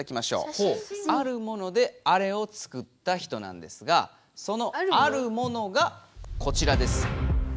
あるものであれを作った人なんですがその「あるもの」がこちらです。